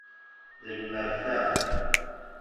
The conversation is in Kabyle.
D lmerta.